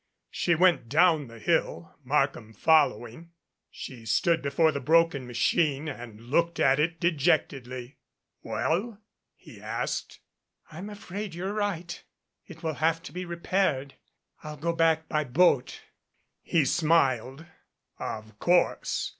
She went down the hill, Markham following. She stood before the broken machine and looked at it dejectedly. "Well?" he asked. "I'm afraid you're right. It will have to be repaired. I'll go back by boat." He smiled. "Of course.